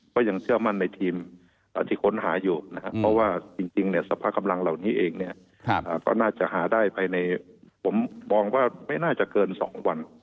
ก็ยังเชื่อมั่นในทีมที่ค้นหาอยู่นะครับเพราะว่าจริงเนี่ยสภากำลังเหล่านี้เองเนี่ยก็น่าจะหาได้ภายในผมมองว่าไม่น่าจะเกิน๒วัน